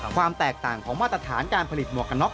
ความแตกต่างของมาตรฐานการผลิตหมวกกันน็อ